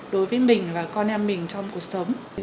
đối với mình và con em mình trong cuộc sống